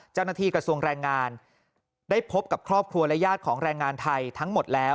เจ้าหน้าที่กระทรวงแรงงานได้พบกับครอบครัวและญาติของแรงงานไทยทั้งหมดแล้ว